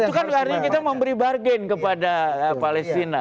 itu kan artinya kita mau beri bargain kepada palestina